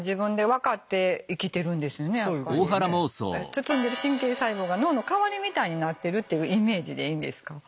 包んでる神経細胞が脳の代わりみたいになってるっていうイメージでいいんですか？